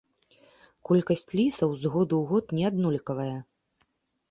Колькасць лісаў з году ў год неаднолькавая.